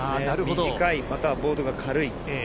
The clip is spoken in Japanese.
短い、またはボードが軽い。